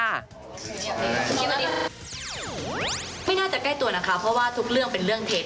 คิดว่าไม่น่าจะใกล้ตัวนะคะเพราะว่าทุกเรื่องเป็นเรื่องเท็จ